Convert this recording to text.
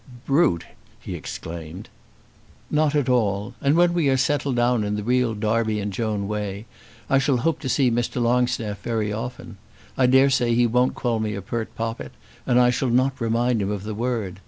"Brute!" he exclaimed. "Not at all. And when we are settled down in the real Darby and Joan way I shall hope to see Mr. Longstaff very often. I daresay he won't call me a pert poppet, and I shall not remind him of the word.